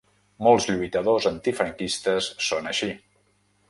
Molts lluitadors antifranquistes són així.